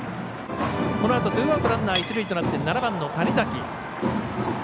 このあとツーアウトランナー、一塁となって７番の谷崎。